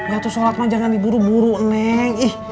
ya tuh sholat mah jangan diburu buru neng